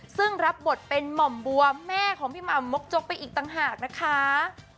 ซึ่งรับบทเป็นหม่อมบัวแม่ของพี่หม่ำมกจกไปอีกต่างหากนะคะ